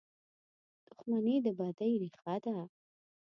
• دښمني د بدۍ ریښه ده.